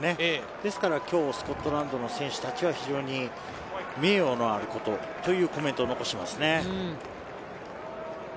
ですから今日、スコットランドの選手たちは非常に名誉のあることというコメントを残していますね。